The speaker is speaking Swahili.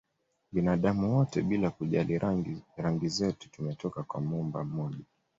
Binadamu wote bila kujali rangi zetu tumetoka kwa Muumba mmoja